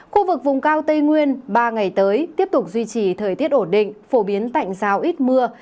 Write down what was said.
khu vực vùng cao tây nguyên ba ngày tới tiếp tục duy trì thời tiết ổn định phổ biến tạnh giáo ít mưa